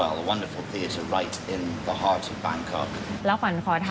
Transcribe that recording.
และมีภารกิจที่สุดที่สุดในฝั่งของบางก็ก